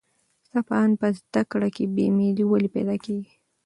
ستا په اند په زده کړه کې بې میلي ولې پیدا کېږي؟